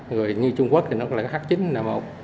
người như trung quốc thì nó lại có h chín n một